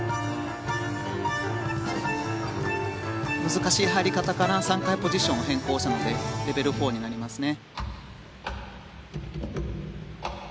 難しい入り方から３回ポジションを変更するのでレベル４になりますね。